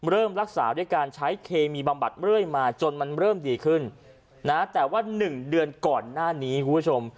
เริ่มรักษาด้วยการใช้เคมีบำบัดเรื่อยมาจนมันเริ่มดีขึ้นนะแต่ว่า๑เดือนก่อนหน้านี้คุณผู้ชม